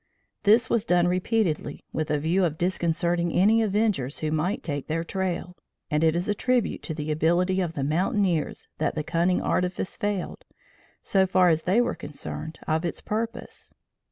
This was done repeatedly, with a view of disconcerting any avengers who might take their trail, and it is a tribute to the ability of the mountaineers that the cunning artifice failed, so far as they were concerned, of its purpose.